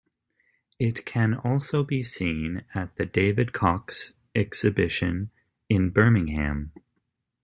It can also be seen at the David Cox exhibition in Birmingham.